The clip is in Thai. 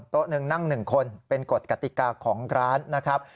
โต๊ะหนึ่งนั่งหนึ่งคนเป็นกฎกติกาของร้านนะครับ